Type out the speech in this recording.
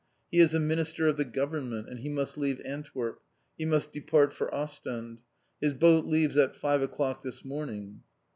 "He is a Minister of the Government, and he must leave Antwerp, he must depart for Ostend. His boat leaves at five o'clock this morning."